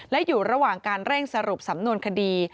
และอยู่ระหว่างการเร่งสรุปสำนวนคดี